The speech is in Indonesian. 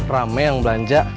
ramai yang belanja